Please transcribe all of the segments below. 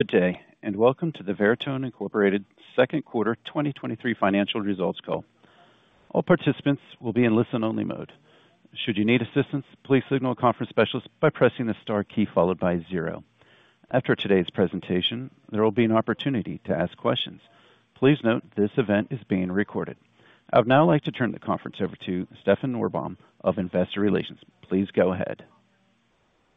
Good day, and welcome to the Veritone, Inc Second Quarter 2023 Financial Results Call. All participants will be in listen-only mode. Should you need assistance, please signal a conference specialist by pressing the star key followed by zero. After today's presentation, there will be an opportunity to ask questions. Please note, this event is being recorded. I would now like to turn the conference over to Stefan Norbom of Investor Relations. Please go ahead.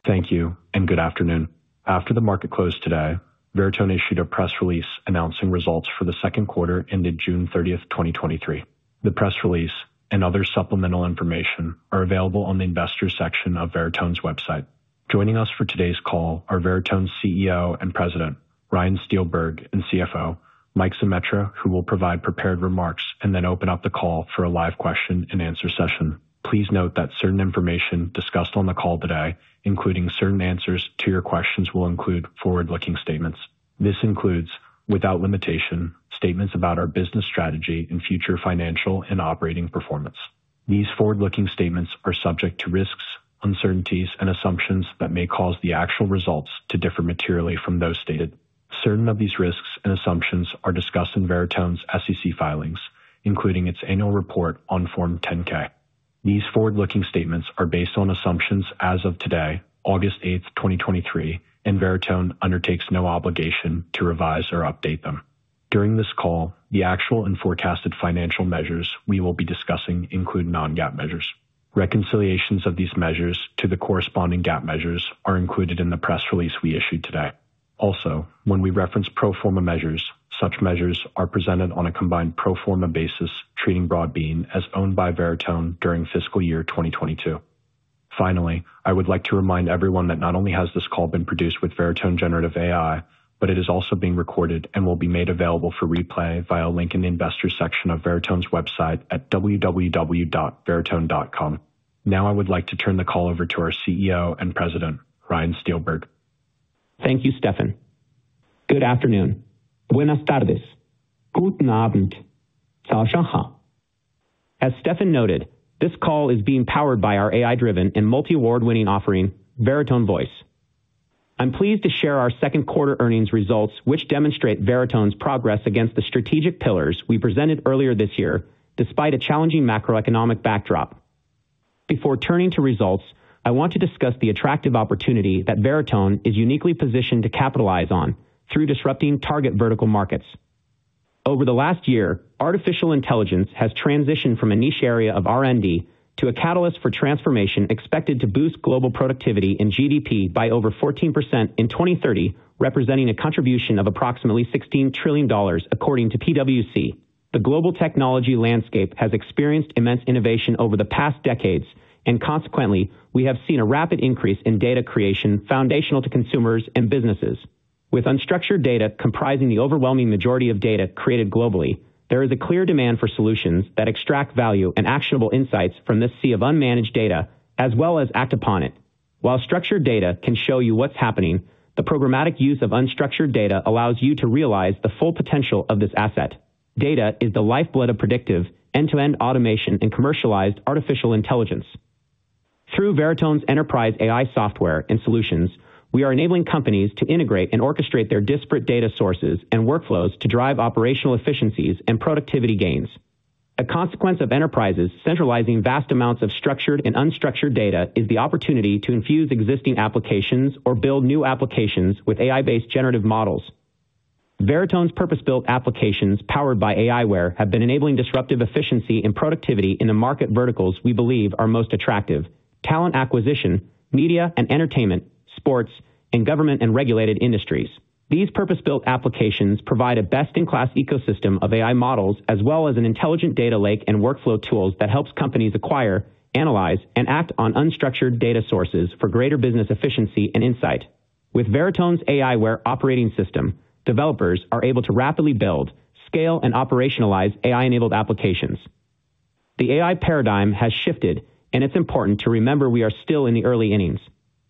Thank you. Good afternoon. After the market closed today, Veritone issued a press release announcing results for the second quarter ended June 30th, 2023. The press release and other supplemental information are available on the Investors section of Veritone's website. Joining us for today's call are Veritone's CEO and President, Ryan Steelberg, and CFO, Mike Zemetra, who will provide prepared remarks then open up the call for a live question-and-answer session. Please note that certain information discussed on the call today, including certain answers to your questions, will include forward-looking statements. This includes, without limitation, statements about our business strategy and future financial and operating performance. These forward-looking statements are subject to risks, uncertainties, and assumptions that may cause the actual results to differ materially from those stated. Certain of these risks and assumptions are discussed in Veritone's SEC filings, including its annual report on Form 10-K. These forward-looking statements are based on assumptions as of today, August 8th, 2023. Veritone undertakes no obligation to revise or update them. During this call, the actual and forecasted financial measures we will be discussing include non-GAAP measures. Reconciliations of these measures to the corresponding GAAP measures are included in the press release we issued today. When we reference pro forma measures, such measures are presented on a combined pro forma basis, treating Broadbean as owned by Veritone during fiscal year 2022. Finally, I would like to remind everyone that not only has this call been produced with Veritone Generative AI, but it is also being recorded and will be made available for replay via a link in the Investor section of Veritone's website at www.veritone.com. I would like to turn the call over to our CEO and President, Ryan Steelberg. Thank you, Stefan. Good afternoon. Buenas tardes. Guten Abend. Zaoshang hao. As Stefan noted, this call is being powered by our AI-driven and multi-award-winning offering, Veritone Voice. I'm pleased to share our second quarter earnings results, which demonstrate Veritone's progress against the strategic pillars we presented earlier this year, despite a challenging macroeconomic backdrop. Before turning to results, I want to discuss the attractive opportunity that Veritone is uniquely positioned to capitalize on through disrupting target vertical markets. Over the last year, artificial intelligence has transitioned from a niche area of R&D to a catalyst for transformation, expected to boost global productivity and GDP by over 14% in 2030, representing a contribution of approximately $16 trillion, according to PwC. The global technology landscape has experienced immense innovation over the past decades, and consequently, we have seen a rapid increase in data creation foundational to consumers and businesses. With unstructured data comprising the overwhelming majority of data created globally, there is a clear demand for solutions that extract value and actionable insights from this sea of unmanaged data, as well as act upon it. While structured data can show you what's happening, the programmatic use of unstructured data allows you to realize the full potential of this asset. Data is the lifeblood of predictive end-to-end automation and commercialized artificial intelligence. Through Veritone's enterprise AI software and solutions, we are enabling companies to integrate and orchestrate their disparate data sources and workflows to drive operational efficiencies and productivity gains. A consequence of enterprises centralizing vast amounts of structured and unstructured data is the opportunity to infuse existing applications or build new applications with AI-based generative models. Veritone's purpose-built applications, powered by aiWARE, have been enabling disruptive efficiency and productivity in the market verticals we believe are most attractive: talent acquisition, media and entertainment, sports, and government and regulated industries. These purpose-built applications provide a best-in-class ecosystem of AI models, as well as an intelligent data lake and workflow tools that helps companies acquire, analyze, and act on unstructured data sources for greater business efficiency and insight. With Veritone's aiWARE operating system, developers are able to rapidly build, scale, and operationalize AI-enabled applications. The AI paradigm has shifted, and it's important to remember we are still in the early innings.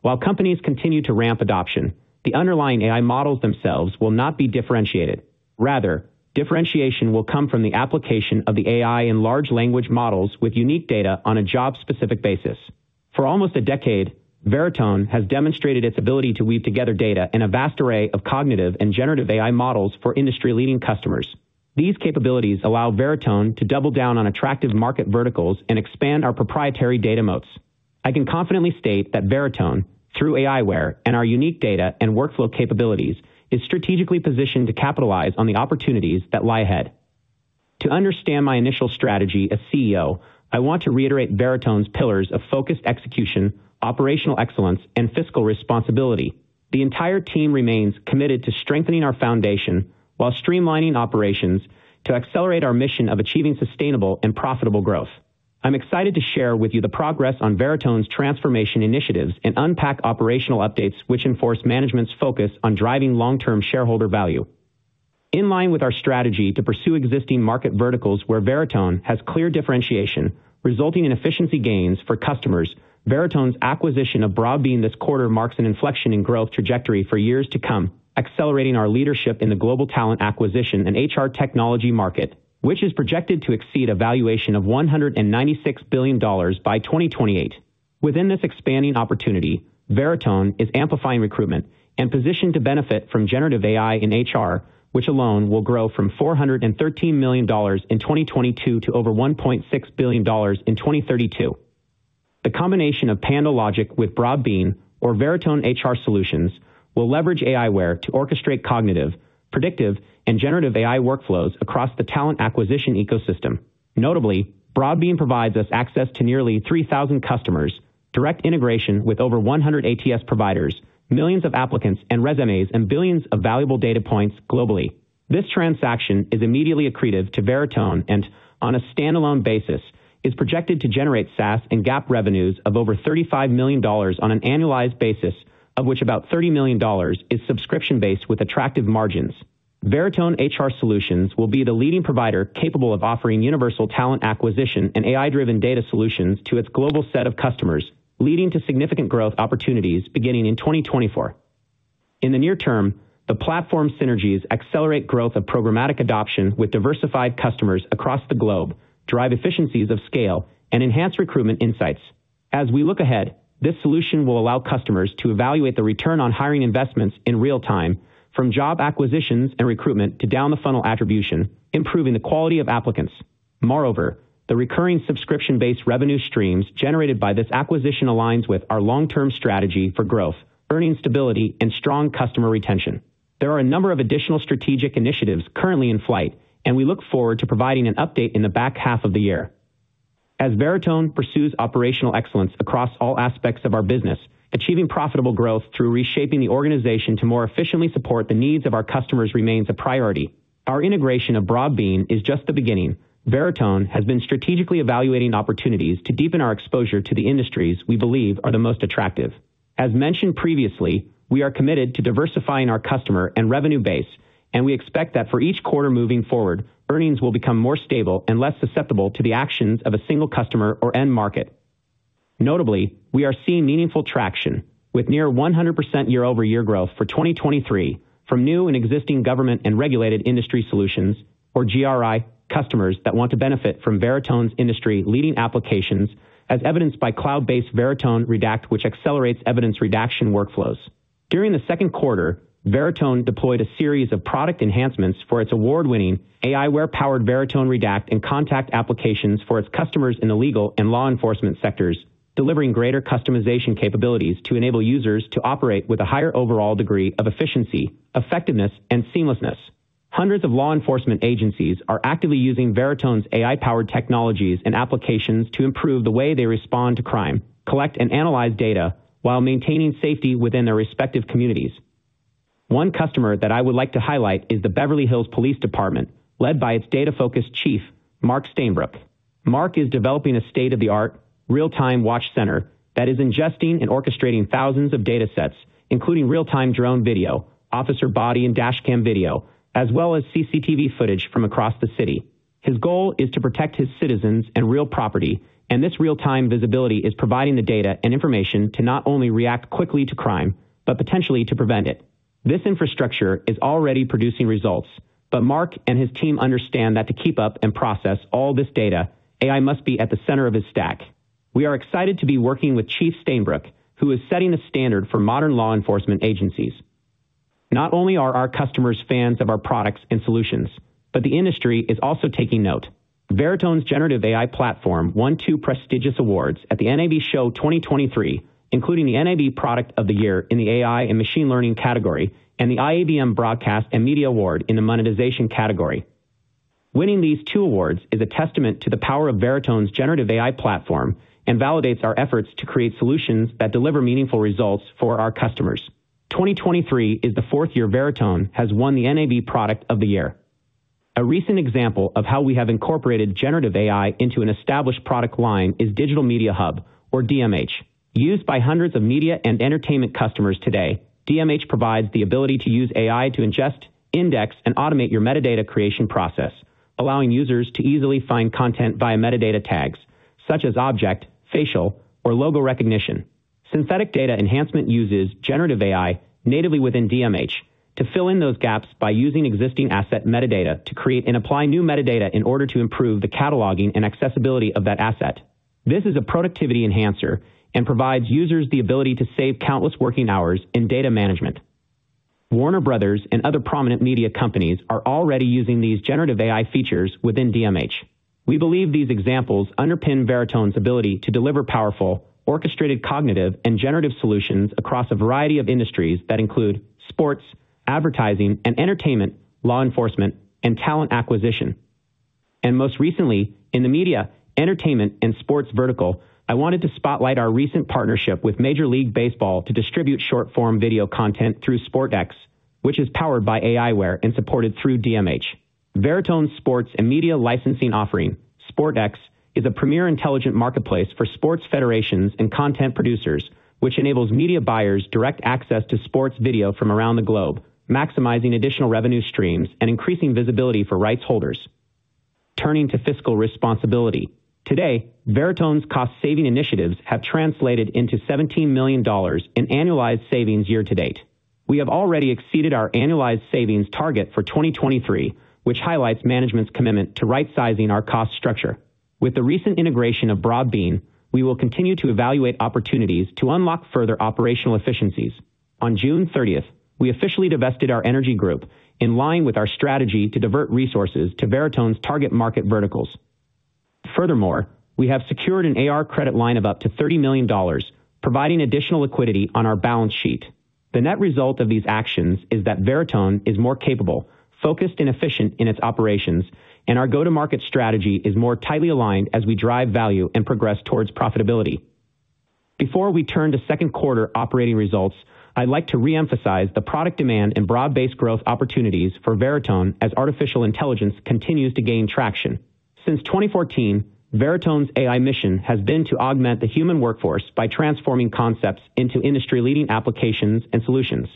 While companies continue to ramp adoption, the underlying AI models themselves will not be differentiated. Rather, differentiation will come from the application of the AI and large language models with unique data on a job-specific basis. For almost a decade, Veritone has demonstrated its ability to weave together data in a vast array of cognitive and Generative AI models for industry-leading customers. These capabilities allow Veritone to double down on attractive market verticals and expand our proprietary data moats. I can confidently state that Veritone, through aiWARE and our unique data and workflow capabilities, is strategically positioned to capitalize on the opportunities that lie ahead. To understand my initial strategy as CEO, I want to reiterate Veritone's pillars of focused execution, operational excellence, and fiscal responsibility. The entire team remains committed to strengthening our foundation while streamlining operations to accelerate our mission of achieving sustainable and profitable growth. I'm excited to share with you the progress on Veritone's transformation initiatives and unpack operational updates which enforce management's focus on driving long-term shareholder value. In line with our strategy to pursue existing market verticals where Veritone has clear differentiation, resulting in efficiency gains for customers, Veritone's acquisition of Broadbean this quarter marks an inflection in growth trajectory for years to come, accelerating our leadership in the global talent acquisition and HR technology market, which is projected to exceed a valuation of $196 billion by 2028. Within this expanding opportunity, Veritone is amplifying recruitment and positioned to benefit from Generative AI in HR, which alone will grow from $413 million in 2022 to over $1.6 billion in 2032. The combination of PandoLogic with Broadbean or Veritone HR Solutions will leverage aiWARE to orchestrate cognitive, predictive, and Generative AI workflows across the talent acquisition ecosystem. Notably, Broadbean provides us access to nearly 3,000 customers, direct integration with over 100 ATS providers, millions of applicants and resumes, and billions of valuable data points globally. This transaction is immediately accretive to Veritone and, on a standalone basis, is projected to generate SaaS and GAAP revenues of over $35 million on an annualized basis, of which about $30 million is subscription-based with attractive margins. Veritone HR Solutions will be the leading provider capable of offering universal talent acquisition and AI-driven data solutions to its global set of customers, leading to significant growth opportunities beginning in 2024. In the near term, the platform synergies accelerate growth of programmatic adoption with diversified customers across the globe, drive efficiencies of scale, and enhance recruitment insights. As we look ahead, this solution will allow customers to evaluate the return on hiring investments in real time, from job acquisitions and recruitment to down the funnel attribution, improving the quality of applicants. Moreover, the recurring subscription-based revenue streams generated by this acquisition aligns with our long-term strategy for growth, earning stability, and strong customer retention. There are a number of additional strategic initiatives currently in flight, and we look forward to providing an update in the back half of the year. As Veritone pursues operational excellence across all aspects of our business, achieving profitable growth through reshaping the organization to more efficiently support the needs of our customers remains a priority. Our integration of Broadbean is just the beginning. Veritone has been strategically evaluating opportunities to deepen our exposure to the industries we believe are the most attractive. As mentioned previously, we are committed to diversifying our customer and revenue base. We expect that for each quarter moving forward, earnings will become more stable and less susceptible to the actions of a single customer or end market. Notably, we are seeing meaningful traction with near 100% year-over-year growth for 2023 from new and existing government and regulated industry solutions, or GRI, customers that want to benefit from Veritone's industry-leading applications, as evidenced by cloud-based Veritone Redact, which accelerates evidence redaction workflows. During the second quarter, Veritone deployed a series of product enhancements for its award-winning aiWARE-powered Veritone Redact and Veritone Contact applications for its customers in the legal and law enforcement sectors, delivering greater customization capabilities to enable users to operate with a higher overall degree of efficiency, effectiveness, and seamlessness. Hundreds of law enforcement agencies are actively using Veritone's AI-powered technologies and applications to improve the way they respond to crime, collect and analyze data while maintaining safety within their respective communities. One customer that I would like to highlight is the Beverly Hills Police Department, led by its data-focused chief, Mark Stainbrook. Mark is developing a state-of-the-art, real-time watch center that is ingesting and orchestrating thousands of datasets, including real-time drone video, officer body and dashcam video, as well as CCTV footage from across the city. His goal is to protect his citizens and real property, and this real-time visibility is providing the data and information to not only react quickly to crime, but potentially to prevent it. This infrastructure is already producing results, but Mark and his team understand that to keep up and process all this data, AI must be at the center of his stack. We are excited to be working with Chief Stainbrook, who is setting the standard for modern law enforcement agencies. Not only are our customers fans of our products and solutions, but the industry is also taking note. Veritone's Generative AI platform won two prestigious awards at the NAB Show 2023, including the NAB Product of the Year in the AI and Machine Learning category, and the IABM Broadcast and Media Award in the Monetization category. Winning these two awards is a testament to the power of Veritone's Generative AI platform and validates our efforts to create solutions that deliver meaningful results for our customers. 2023 is the fourth year Veritone has won the NAB Product of the Year. A recent example of how we have incorporated Generative AI into an established product line is Digital Media Hub, or DMH. Used by hundreds of media and entertainment customers today, DMH provides the ability to use AI to ingest, index, and automate your metadata creation process, allowing users to easily find content via metadata tags, such as object, facial, or logo recognition. Synthetic data enhancement uses Generative AI natively within DMH to fill in those gaps by using existing asset metadata to create and apply new metadata in order to improve the cataloging and accessibility of that asset. This is a productivity enhancer and provides users the ability to save countless working hours in data management. Warner Bros. and other prominent media companies are already using these Generative AI features within DMH. We believe these examples underpin Veritone's ability to deliver powerful, orchestrated, cognitive, and generative solutions across a variety of industries that include sports, advertising, and entertainment, law enforcement, and talent acquisition. Most recently, in the media, entertainment, and sports vertical, I wanted to spotlight our recent partnership with Major League Baseball to distribute short-form video content through SPORT X, which is powered by aiWARE and supported through DMH. Veritone's sports and media licensing offering, SPORT X, is a premier intelligent marketplace for sports federations and content producers, which enables media buyers direct access to sports video from around the globe, maximizing additional revenue streams and increasing visibility for rights holders. Turning to fiscal responsibility. Today, Veritone's cost-saving initiatives have translated into $17 million in annualized savings year to date. We have already exceeded our annualized savings target for 2023, which highlights management's commitment to rightsizing our cost structure. With the recent integration of Broadbean, we will continue to evaluate opportunities to unlock further operational efficiencies. On June 30th, we officially divested our energy group in line with our strategy to divert resources to Veritone's target market verticals. We have secured an AR credit line of up to $30 million, providing additional liquidity on our balance sheet. The net result of these actions is that Veritone is more capable, focused, and efficient in its operations, and our go-to-market strategy is more tightly aligned as we drive value and progress towards profitability. Before we turn to second quarter operating results, I'd like to reemphasize the product demand and broad-based growth opportunities for Veritone as artificial intelligence continues to gain traction. Since 2014, Veritone's AI mission has been to augment the human workforce by transforming concepts into industry-leading applications and solutions.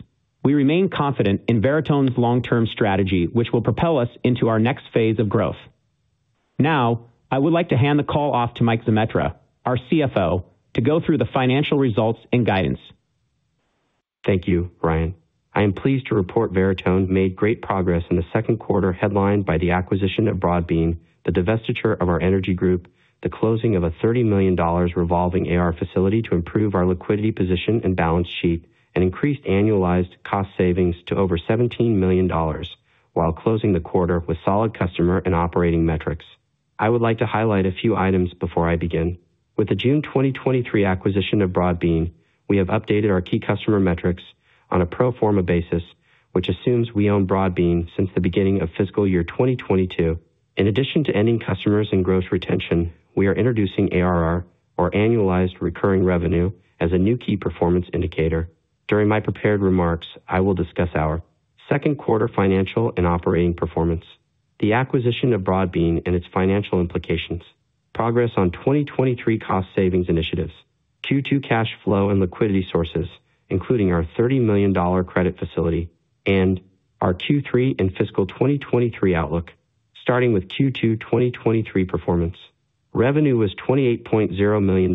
We remain confident in Veritone's long-term strategy, which will propel us into our next phase of growth. Now, I would like to hand the call off to Mike Zemetra, our CFO, to go through the financial results and guidance. Thank you, Ryan. I am pleased to report Veritone made great progress in the second quarter, headlined by the acquisition of Broadbean, the divestiture of our energy group, the closing of a $30 million revolving AR facility to improve our liquidity position and balance sheet, increased annualized cost savings to over $17 million, while closing the quarter with solid customer and operating metrics. I would like to highlight a few items before I begin. With the June 2023 acquisition of Broadbean, we have updated our key customer metrics on a pro forma basis, which assumes we own Broadbean since the beginning of fiscal year 2022. In addition to ending customers and gross retention, we are introducing ARR, or annualized recurring revenue, as a new key performance indicator. During my prepared remarks, I will discuss our second quarter financial and operating performance, the acquisition of Broadbean and its financial implications, progress on 2023 cost savings initiatives, Q2 cash flow and liquidity sources, including our $30 million credit facility, and our Q3 and fiscal 2023 outlook. Starting with Q2 2023 performance. Revenue was $28.0 million,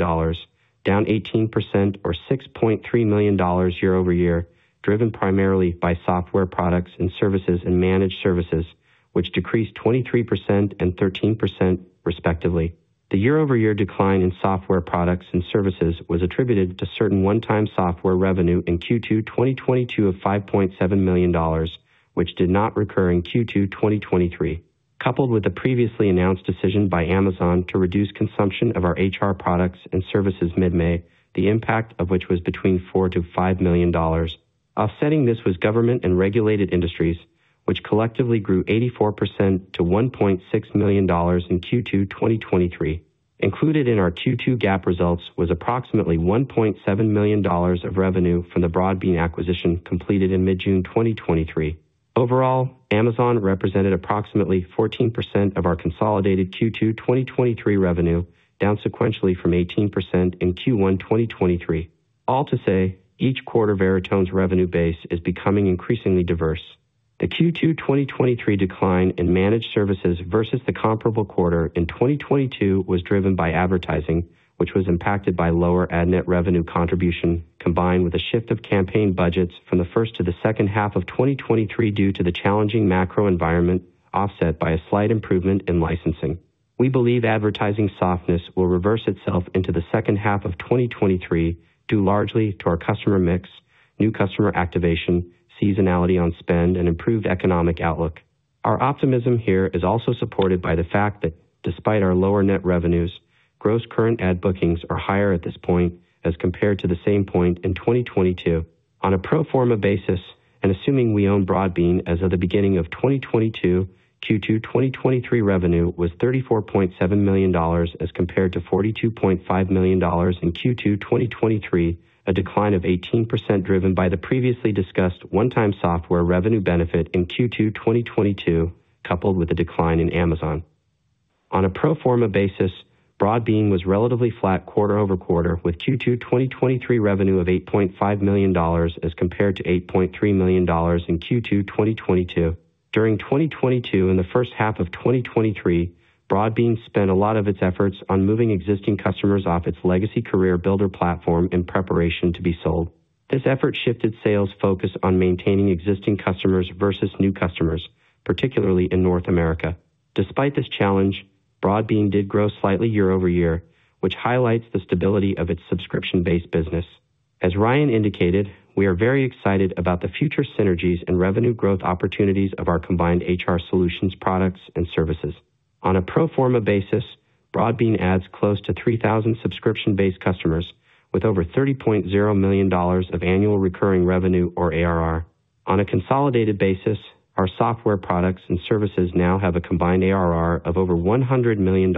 down 18% or $6.3 million year-over-year, driven primarily by software products and services and managed services, which decreased 23% and 13% respectively. The year-over-year decline in software products and services was attributed to certain one-time software revenue in Q2 2022 of $5.7 million, which did not recur in Q2 2023. Coupled with the previously announced decision by Amazon to reduce consumption of our HR products and services mid-May, the impact of which was between $4 million-$5 million. Offsetting this was government and regulated industries, which collectively grew 84% to $1.6 million in Q2 2023. Included in our Q2 GAAP results was approximately $1.7 million of revenue from the Broadbean acquisition completed in mid-June 2023. Overall, Amazon represented approximately 14% of our consolidated Q2 2023 revenue, down sequentially from 18% in Q1 2023. All to say, each quarter, Veritone's revenue base is becoming increasingly diverse. The Q2 2023 decline in managed services versus the comparable quarter in 2022 was driven by advertising, which was impacted by lower ad net revenue contribution, combined with a shift of campaign budgets from the first to the second half of 2023 due to the challenging macro environment, offset by a slight improvement in licensing. We believe advertising softness will reverse itself into the second half of 2023, due largely to our customer mix, new customer activation, seasonality on spend, and improved economic outlook. Our optimism here is also supported by the fact that despite our lower net revenues, gross current ad bookings are higher at this point as compared to the same point in 2022. On a pro forma basis, and assuming we own Broadbean as of the beginning of 2022, Q2 2023 revenue was $34.7 million as compared to $42.5 million in Q2 2023, a decline of 18% driven by the previously discussed one-time software revenue benefit in Q2 2022, coupled with a decline in Amazon. On a pro forma basis, Broadbean was relatively flat quarter-over-quarter, with Q2 2023 revenue of $8.5 million as compared to $8.3 million in Q2 2022. During 2022 and the first half of 2023, Broadbean spent a lot of its efforts on moving existing customers off its legacy CareerBuilder platform in preparation to be sold. This effort shifted sales focus on maintaining existing customers versus new customers, particularly in North America. Despite this challenge, Broadbean did grow slightly year-over-year, which highlights the stability of its subscription-based business. As Ryan indicated, we are very excited about the future synergies and revenue growth opportunities of our combined HR Solutions, products, and services. On a pro forma basis, Broadbean adds close to 3,000 subscription-based customers with over $30.0 million of annual recurring revenue, or ARR. On a consolidated basis, our software products and services now have a combined ARR of over $100 million,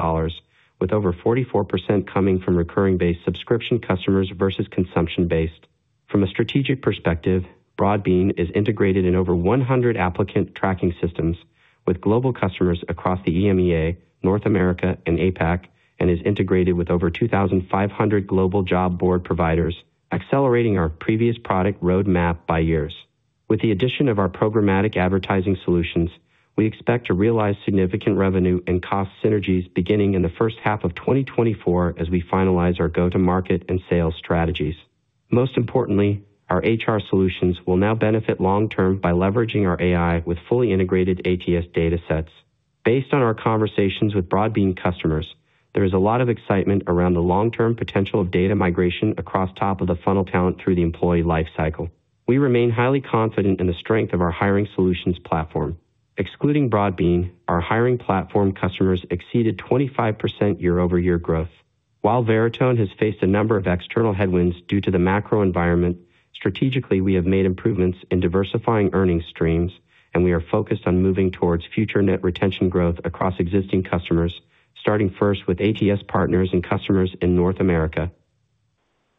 with over 44% coming from recurring-based subscription customers versus consumption-based. From a strategic perspective, Broadbean is integrated in over 100 applicant tracking systems with global customers across the EMEA, North America, and APAC, and is integrated with over 2,500 global job board providers, accelerating our previous product roadmap by years. With the addition of our programmatic advertising solutions. We expect to realize significant revenue and cost synergies beginning in the first half of 2024 as we finalize our go-to-market and sales strategies. Most importantly, our HR Solutions will now benefit long term by leveraging our AI with fully integrated ATS data sets. Based on our conversations with Broadbean customers, there is a lot of excitement around the long-term potential of data migration across top of the funnel talent through the employee life cycle. We remain highly confident in the strength of our hiring solutions platform. Excluding Broadbean, our hiring platform customers exceeded 25% year-over-year growth. While Veritone has faced a number of external headwinds due to the macro environment, strategically, we have made improvements in diversifying earnings streams, and we are focused on moving towards future net retention growth across existing customers, starting first with ATS partners and customers in North America.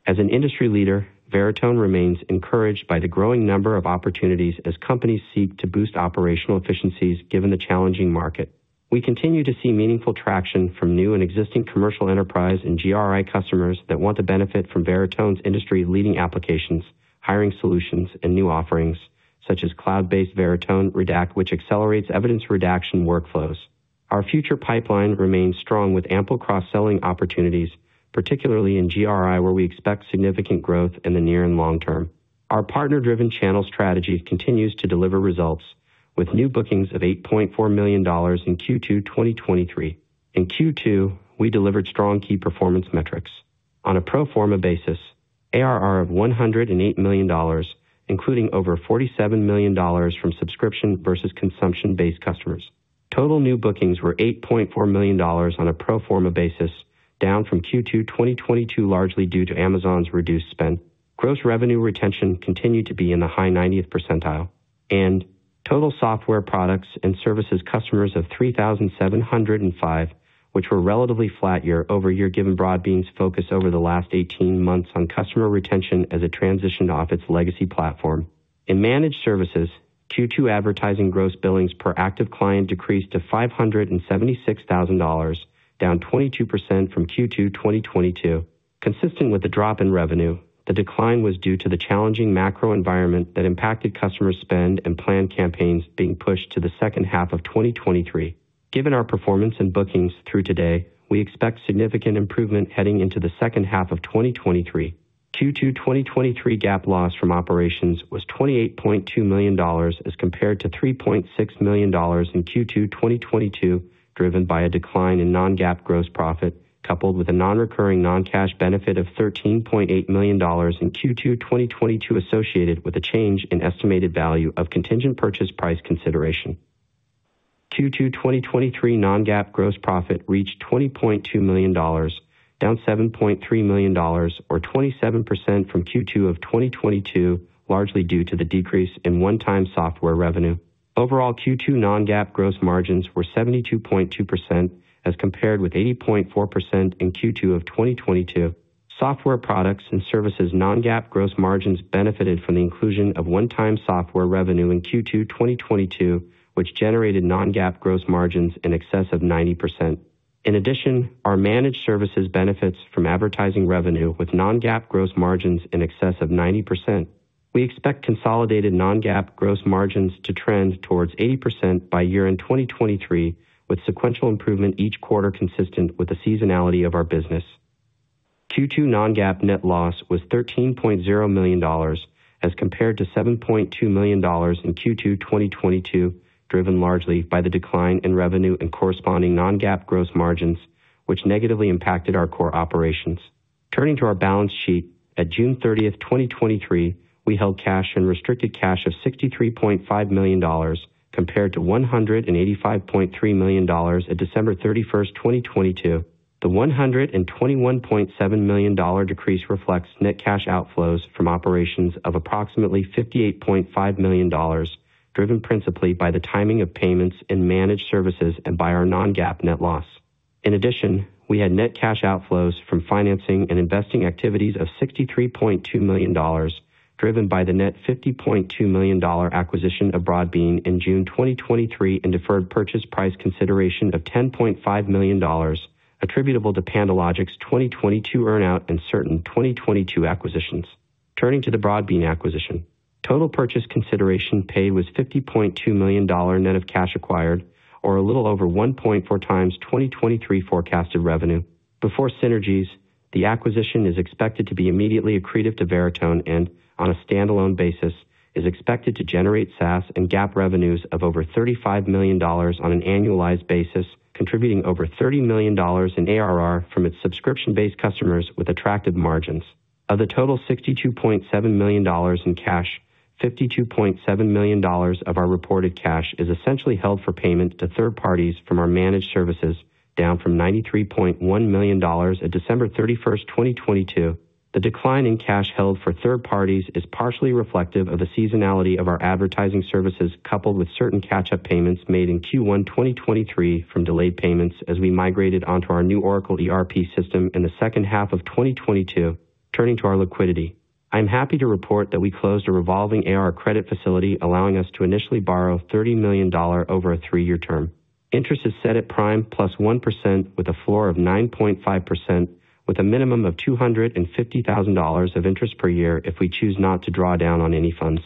As an industry leader, Veritone remains encouraged by the growing number of opportunities as companies seek to boost operational efficiencies given the challenging market. We continue to see meaningful traction from new and existing commercial enterprise and GRI customers that want to benefit from Veritone's industry-leading applications, hiring solutions, and new offerings, such as cloud-based Veritone Redact, which accelerates evidence redaction workflows. Our future pipeline remains strong with ample cross-selling opportunities, particularly in GRI, where we expect significant growth in the near and long term. Our partner-driven channel strategy continues to deliver results with new bookings of $8.4 million in Q2 2023. In Q2, we delivered strong key performance metrics. On a pro forma basis, ARR of $108 million, including over $47 million from subscription versus consumption-based customers. Total new bookings were $8.4 million on a pro forma basis, down from Q2 2022, largely due to Amazon's reduced spend. Gross revenue retention continued to be in the high ninetieth percentile, and total software products and services customers of 3,705, which were relatively flat year-over-year, given Broadbean's focus over the last 18 months on customer retention as it transitioned off its legacy platform. In Managed Services, Q2 advertising gross billings per active client decreased to $576,000, down 22% from Q2 2022. Consistent with the drop in revenue, the decline was due to the challenging macro environment that impacted customer spend and planned campaigns being pushed to the second half of 2023. Given our performance and bookings through today, we expect significant improvement heading into the second half of 2023. Q2 2023 GAAP loss from operations was $28.2 million, as compared to $3.6 million in Q2 2022, driven by a decline in non-GAAP gross profit, coupled with a non-recurring, non-cash benefit of $13.8 million in Q2 2022, associated with a change in estimated value of contingent purchase price consideration. Q2 2023 non-GAAP gross profit reached $20.2 million, down $7.3 million, or 27% from Q2 of 2022, largely due to the decrease in one-time software revenue. Overall, Q2 non-GAAP gross margins were 72.2% as compared with 80.4% in Q2 2022. Software products and services non-GAAP gross margins benefited from the inclusion of one-time software revenue in Q2 2022, which generated non-GAAP gross margins in excess of 90%. In addition, our Managed Services benefits from advertising revenue with non-GAAP gross margins in excess of 90%. We expect consolidated non-GAAP gross margins to trend towards 80% by year-end 2023, with sequential improvement each quarter, consistent with the seasonality of our business. Q2 non-GAAP net loss was $13.0 million, as compared to $7.2 million in Q2 2022, driven largely by the decline in revenue and corresponding non-GAAP gross margins, which negatively impacted our core operations. Turning to our balance sheet, at June 30, 2023, we held cash and restricted cash of $63.5 million, compared to $185.3 million at December 31, 2022. The $121.7 million decrease reflects net cash outflows from operations of approximately $58.5 million, driven principally by the timing of payments in Managed Services and by our non-GAAP net loss. In addition, we had net cash outflows from financing and investing activities of $63.2 million, driven by the net $50.2 million acquisition of Broadbean in June 2023, and deferred purchase price consideration of $10.5 million attributable to PandoLogic's 2022 earn-out and certain 2022 acquisitions. Turning to the Broadbean acquisition, total purchase consideration paid was $50.2 million net of cash acquired, or a little over 1.4x 2023 forecasted revenue. Before synergies, the acquisition is expected to be immediately accretive to Veritone and on a standalone basis, is expected to generate SaaS and GAAP revenues of over $35 million on an annualized basis, contributing over $30 million in ARR from its subscription-based customers with attractive margins. Of the total $62.7 million in cash, $52.7 million of our reported cash is essentially held for payment to third parties from our Managed Services, down from $93.1 million at December 31st, 2022. The decline in cash held for third parties is partially reflective of the seasonality of our advertising services, coupled with certain catch-up payments made in Q1 2023 from delayed payments as we migrated onto our new Oracle ERP system in the second half of 2022. Turning to our liquidity, I'm happy to report that we closed a revolving AR credit facility, allowing us to initially borrow $30 million over a three-year term. Interest is set at prime plus 1% with a floor of 9.5%, with a minimum of $250,000 of interest per year if we choose not to draw down on any funds.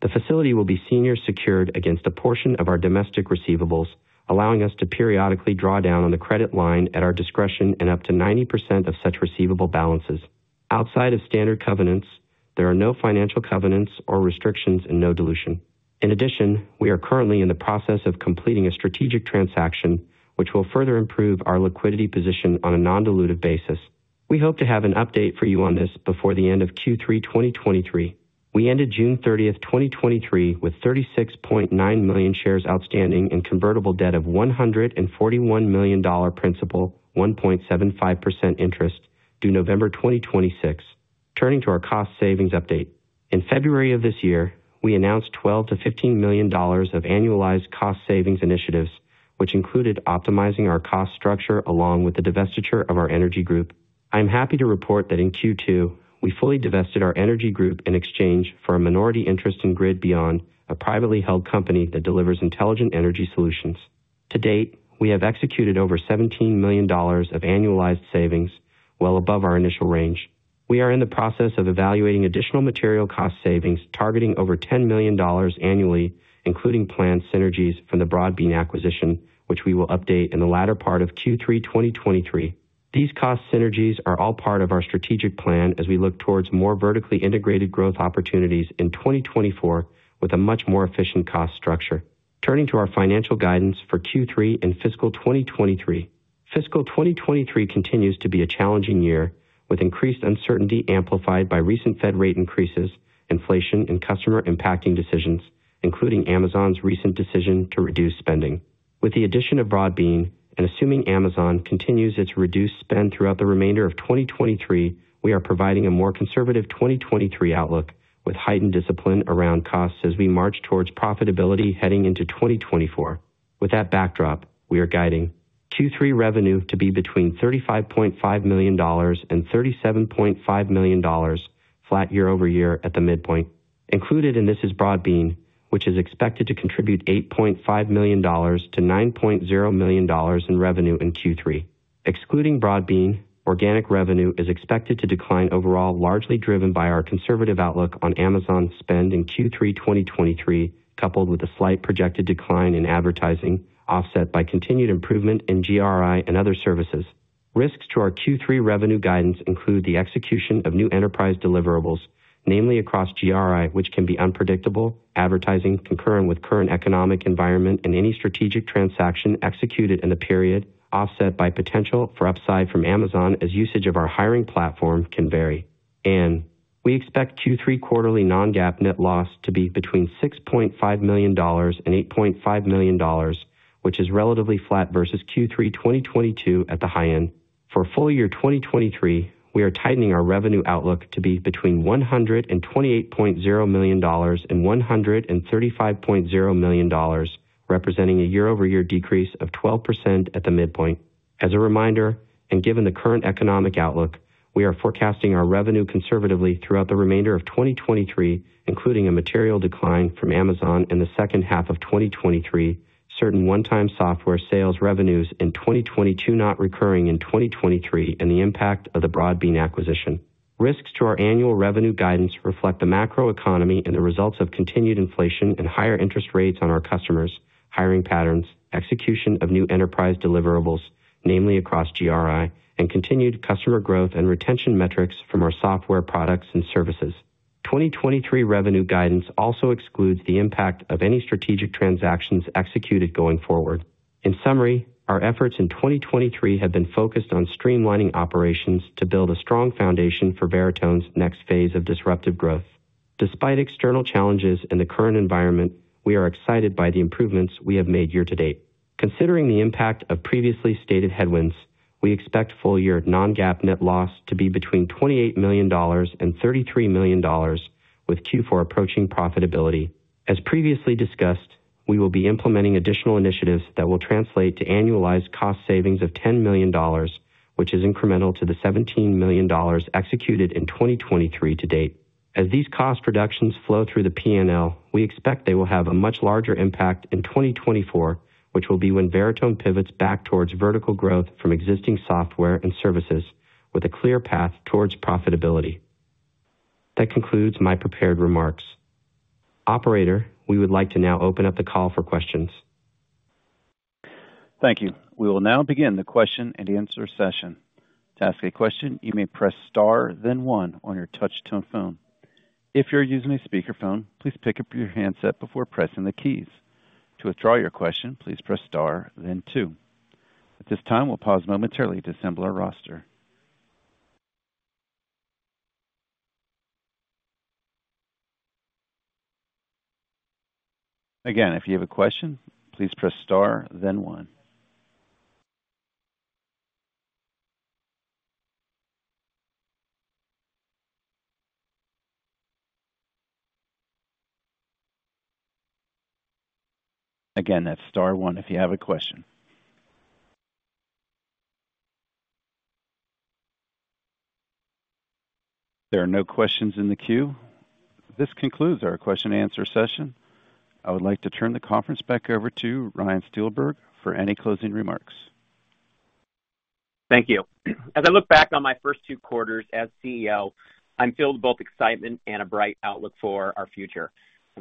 The facility will be senior secured against a portion of our domestic receivables, allowing us to periodically draw down on the credit line at our discretion and up to 90% of such receivable balances. Outside of standard covenants, there are no financial covenants or restrictions and no dilution. We are currently in the process of completing a strategic transaction, which will further improve our liquidity position on a non-dilutive basis. We hope to have an update for you on this before the end of Q3 2023. We ended June 30, 2023, with 36.9 million shares outstanding in convertible debt of $141 million principal, 1.75% interest, due November 2026. Turning to our cost savings update. In February of this year, we announced $12 million-$15 million of annualized cost savings initiatives, which included optimizing our cost structure along with the divestiture of our energy group. I'm happy to report that in Q2, we fully divested our energy group in exchange for a minority interest in GridBeyond, a privately held company that delivers intelligent energy solutions. To date, we have executed over $17 million of annualized savings, well above our initial range. We are in the process of evaluating additional material cost savings, targeting over $10 million annually, including planned synergies from the Broadbean acquisition, which we will update in the latter part of Q3 2023. These cost synergies are all part of our strategic plan as we look towards more vertically integrated growth opportunities in 2024 with a much more efficient cost structure. Turning to our financial guidance for Q3 and fiscal 2023. Fiscal 2023 continues to be a challenging year, with increased uncertainty amplified by recent Fed rate increases, inflation, and customer impacting decisions, including Amazon's recent decision to reduce spending. With the addition of Broadbean, and assuming Amazon continues its reduced spend throughout the remainder of 2023, we are providing a more conservative 2023 outlook with heightened discipline around costs as we march towards profitability heading into 2024. With that backdrop, we are guiding Q3 revenue to be between $35.5 million and $37.5 million, flat year-over-year at the midpoint. Included in this is Broadbean, which is expected to contribute $8.5 million-$9.0 million in revenue in Q3. Excluding Broadbean, organic revenue is expected to decline overall, largely driven by our conservative outlook on Amazon spend in Q3 2023, coupled with a slight projected decline in advertising, offset by continued improvement in GRI and other services. Risks to our Q3 revenue guidance include the execution of new enterprise deliverables, namely across GRI, which can be unpredictable, advertising, concurrent with current economic environment, and any strategic transaction executed in the period, offset by potential for upside from Amazon as usage of our hiring platform can vary. We expect Q3 quarterly non-GAAP net loss to be between $6.5 million and $8.5 million, which is relatively flat versus Q3 2022 at the high end. For full year 2023, we are tightening our revenue outlook to be between $128.0 million and $135.0 million, representing a year-over-year decrease of 12% at the midpoint. As a reminder, and given the current economic outlook, we are forecasting our revenue conservatively throughout the remainder of 2023, including a material decline from Amazon in the second half of 2023, certain one-time software sales revenues in 2022 not recurring in 2023, and the impact of the Broadbean acquisition. Risks to our annual revenue guidance reflect the macroeconomy and the results of continued inflation and higher interest rates on our customers, hiring patterns, execution of new enterprise deliverables, namely across GRI, and continued customer growth and retention metrics from our software products and services. 2023 revenue guidance also excludes the impact of any strategic transactions executed going forward. In summary, our efforts in 2023 have been focused on streamlining operations to build a strong foundation for Veritone's next phase of disruptive growth. Despite external challenges in the current environment, we are excited by the improvements we have made year to date. Considering the impact of previously stated headwinds, we expect full year non-GAAP net loss to be between $28 million and $33 million, with Q4 approaching profitability. As previously discussed, we will be implementing additional initiatives that will translate to annualized cost savings of $10 million, which is incremental to the $17 million executed in 2023 to date. As these cost reductions flow through the PNL, we expect they will have a much larger impact in 2024, which will be when Veritone pivots back towards vertical growth from existing software and services with a clear path towards profitability. That concludes my prepared remarks. Operator, we would like to now open up the call for questions. Thank you. We will now begin the question and answer session. To ask a question, you may press star, then one on your touch tone phone. If you're using a speakerphone, please pick up your handset before pressing the keys. To withdraw your question, please press star, then two. At this time, we'll pause momentarily to assemble our roster. Again, if you have a question, please press star then one. Again, that's star one if you have a question. There are no questions in the queue. This concludes our question and answer session. I would like to turn the conference back over to Ryan Steelberg for any closing remarks. Thank you. As I look back on my first two quarters as CEO, I'm filled with both excitement and a bright outlook for our future.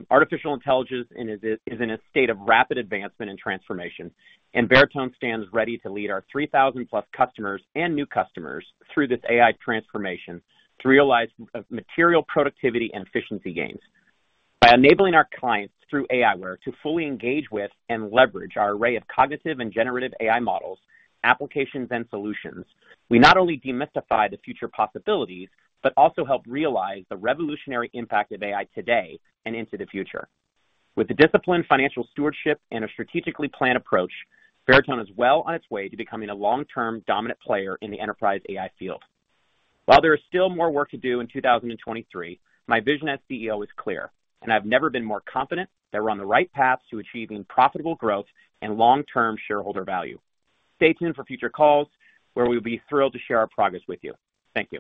Artificial intelligence is in a state of rapid advancement and transformation, Veritone stands ready to lead our 3,000+ customers and new customers through this AI transformation to realize material productivity and efficiency gains. By enabling our clients through AI work to fully engage with and leverage our array of cognitive and Generative AI models, applications and solutions, we not only demystify the future possibilities, also help realize the revolutionary impact of AI today and into the future. With the disciplined financial stewardship and a strategically planned approach, Veritone is well on its way to becoming a long-term dominant player in the enterprise AI field. While there is still more work to do in 2023, my vision as CEO is clear, and I've never been more confident that we're on the right path to achieving profitable growth and long-term shareholder value. Stay tuned for future calls, where we'll be thrilled to share our progress with you. Thank you.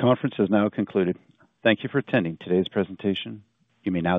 Conference is now concluded. Thank you for attending today's presentation. You may now disconnect.